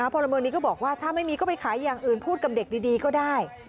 พลเมืองนี้ก็บอกว่าถ้าไม่มีก็ไปขายอย่างอื่นพูดกับเด็กดีก็ได้